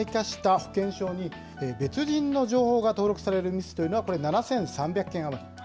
マイナンバーと一体化した保険証に別人の情報が登録されるミスというのがこれ、７３００件余り。